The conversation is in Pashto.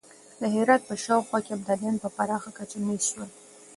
د هرات په شاوخوا کې ابدالیان په پراخه کچه مېشت شول.